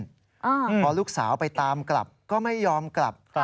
พอลูกสาวไปตามกลับก็ไม่ยอมกลับ